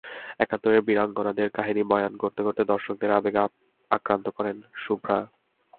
একাত্তরের বীরঙ্গনাদের কাহিনি বয়ান করতে করতে দর্শককে আবেগে আক্রান্ত করেন শুভ্রা।